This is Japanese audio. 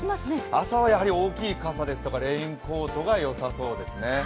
朝はやはり大きい傘ですとかレインコートがよさそうですね。